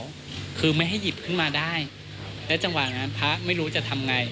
ก่อนที่เดียวพระก็ไม่ให้หยิบขึ้นมาได้และจังหวัดนั้นพระไม่รู้จะทำไง